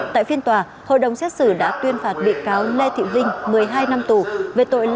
tại phiên tòa hội đồng xét xử đã tuyên phạt bị cáo lê thị vinh một mươi hai năm tù về tội